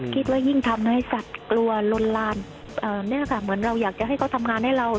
คิดว่ายิ่งทำให้สัตว์กลัวลนลานเนี่ยค่ะเหมือนเราอยากจะให้เขาทำงานให้เรา